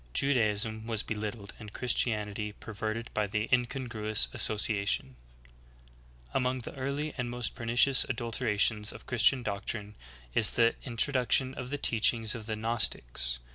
Judaism was belittled and Christianity perverted by the incongruous association. pjvw^.y^Vf tV, tUs^tyt f'^^ 6. .• Among the early and most pernicious adulterations of Christian doctrine is the introduction of the teachings of the Gnostics.